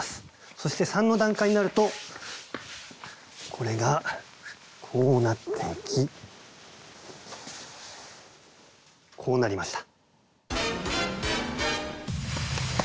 そして３の段階になるとこれがこうなっていきこうなりました。